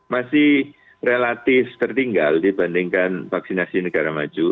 masih relatif tertinggal dibandingkan vaksinasi negara maju